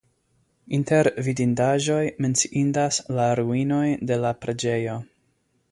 Inter vidindaĵoj menciindas la ruinoj de la preĝejo.